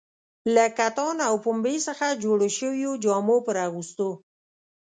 له کتان او پنبې څخه جوړو شویو جامو پر اغوستو.